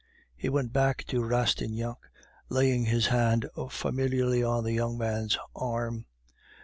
He went back to Rastignac, laying his hand familiarly on the young man's arm.